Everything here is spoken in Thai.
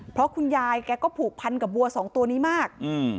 เพราะคุณยายแกก็ผูกพันกับวัวสองตัวนี้มาก